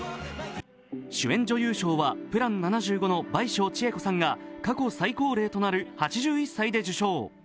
主演女優賞は「プラン７５」の倍賞千恵子さんが過去最高齢となる８１歳で受賞。